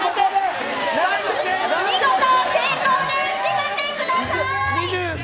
見事、成功で締めてください。